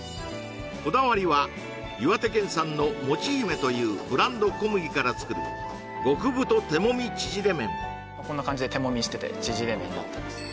こだわりは岩手県産のもち姫というブランド小麦から作る極太手揉みちぢれ麺こんな感じで手揉みしててちぢれ麺になってます